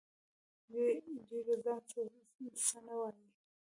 دوی له ځانه څه نه وايي